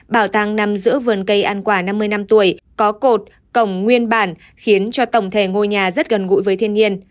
bảo tàng nằm giữa vườn cây ăn quả năm mươi năm tuổi có cột cổng nguyên bản khiến cho tổng thể ngôi nhà rất gần gũi với thiên nhiên